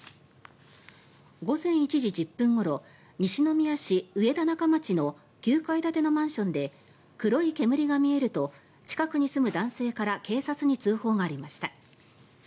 午前１時１０分ごろ西宮市上田中町の９階建てのマンションで黒い煙が見えると近くに住む男性から警察に通報がありました。